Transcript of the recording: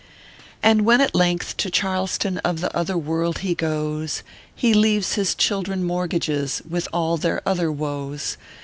And when, at length, to Charleston of the other world ho goes, He leaves his children mortgages, with all their other woes.